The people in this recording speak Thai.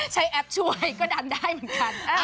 แอปช่วยก็ดันได้เหมือนกัน